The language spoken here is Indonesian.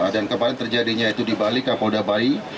dan kemarin terjadinya itu di bali kabolda bali